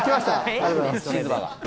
ありがとうございます